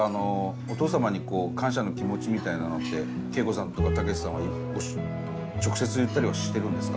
お父様に感謝の気持ちみたいなのって恵子さんとか毅さんは直接言ったりはしてるんですか？